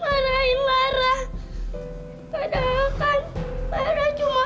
sekarang lara sama om gustaf ya